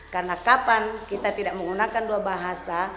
karena kapan kita tidak menggunakan dua bahasa